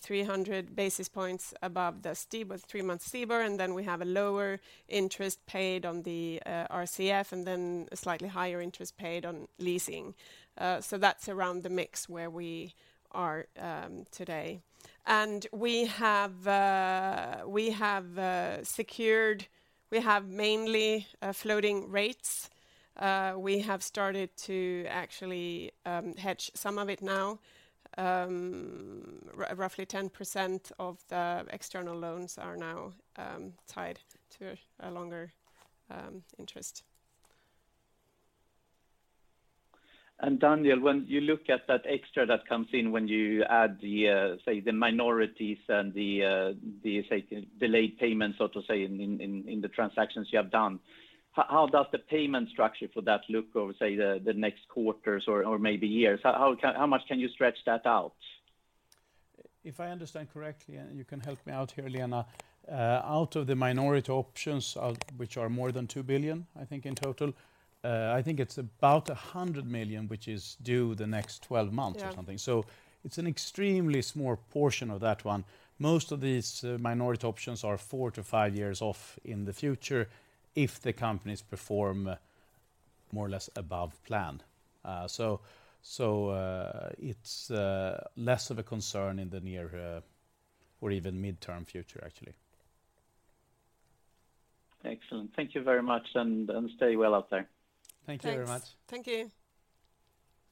300 basis points above the STIBOR, three-month STIBOR, and then we have a lower interest paid on the RCF, and then a slightly higher interest paid on leasing. So that's around the mix where we are today. We have mainly floating rates. We have started to actually hedge some of it now. Roughly 10% of the external loans are now tied to a longer interest. Daniel, when you look at that extra that comes in when you add the, say, the minorities and the, say, delayed payments, so to say, in the transactions you have done, how does the payment structure for that look over, say, the next quarters or maybe years? How much can you stretch that out? If I understand correctly, and you can help me out here, Lena, out of the minority options of which are more than 2 billion, I think, in total, I think it's about 100 million which is due the next 12 months. Yeah It's an extremely small portion of that one. Most of these minority options are four to five years off in the future if the companies perform more or less above plan. It's less of a concern in the near or even midterm future, actually. Excellent. Thank you very much and stay well out there. Thank you very much. Thanks. Thank you.